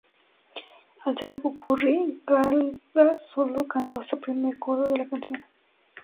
Al ser un popurrí, Gaga solo cantó hasta el primer coro de la canción.